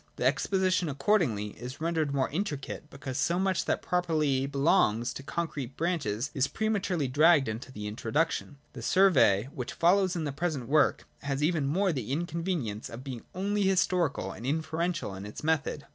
The exposition accordingly is ren dered more intricate, because so much that properly belongs to the concrete branches is prematurely dragged into the introduction. The survey which follows in the present work has even more the inconvenience of being only historical and inferential in its method.